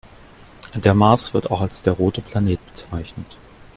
Der Mars wird auch als der „rote Planet“ bezeichnet.